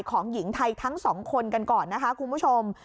ของหญิงไทยทั้งสองคนกันก่อนนะคะคุณผู้ชม